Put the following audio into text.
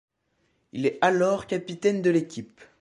Il est alors capitaine de l'équipe.